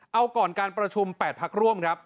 เอาก่อนการประชุม๘พักร่วมครับ